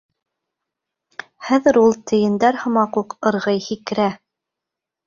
Хәҙер ул тейендәр һымаҡ уҡ ырғый-һикерә.